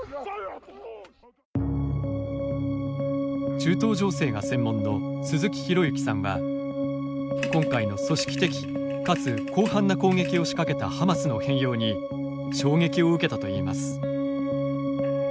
中東情勢が専門の鈴木啓之さんは今回の組織的かつ広範な攻撃を仕掛けたハマスの変容に衝撃を受けたといいます。